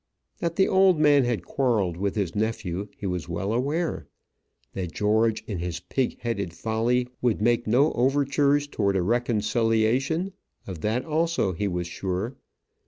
That the old man had quarrelled with his nephew, he was well aware. That George, in his pig headed folly, would make no overtures towards a reconciliation; of that also he was sure.